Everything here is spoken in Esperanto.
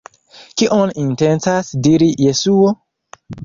Kion intencas diri Jesuo?